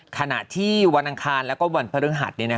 ขณะที่วันอังคารและวันพฤษฐรรมนี้